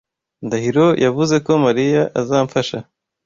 Ndahiro yavuze ko Mariya azamfasha.